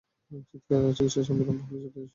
চিকিৎসায় বিলম্ব হলে জটিলতা সৃষ্টি হবে।